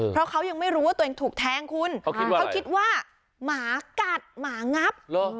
เพราะเขายังไม่รู้ว่าตัวเองถูกแทงคุณเขาคิดว่าหมากัดหมางับ